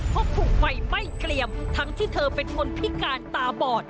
เพราะถูกไฟไหม้เกลี่ยมทั้งที่เธอเป็นคนพิการตาบอด